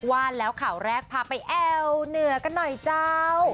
ว่าแล้วข่าวแรกพาไปแอวเหนือกันหน่อยเจ้า